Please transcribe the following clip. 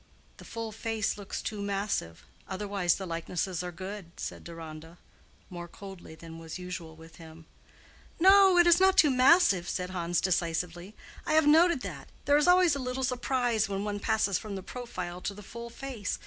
"The full face looks too massive; otherwise the likenesses are good," said Deronda, more coldly than was usual with him. "No, it is not too massive," said Hans, decisively. "I have noted that. There is always a little surprise when one passes from the profile to the full face.